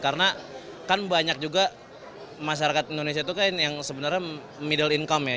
karena kan banyak juga masyarakat indonesia itu kan yang sebenarnya middle income ya